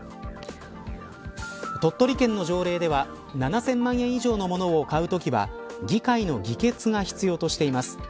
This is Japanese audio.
鳥取県の条例では７０００万円以上のものを買うときは議会の議決が必要としています。